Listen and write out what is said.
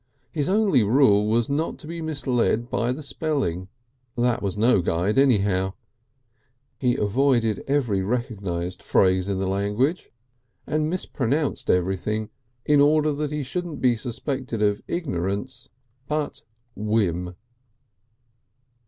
His only rule was not to be misled by the spelling. That was no guide anyhow. He avoided every recognised phrase in the language and mispronounced everything in order that he shouldn't be suspected of ignorance, but whim.